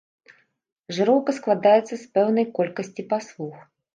Жыроўка складаецца з пэўнай колькасці паслуг.